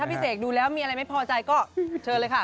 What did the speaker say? พี่เสกดูแล้วมีอะไรไม่พอใจก็เชิญเลยค่ะ